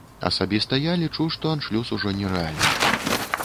Асабіста я лічу, што аншлюс ужо нерэальны.